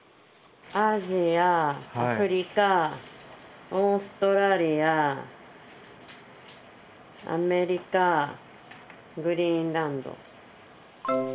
アジアアフリカオーストラリアアメリカグリーンランド。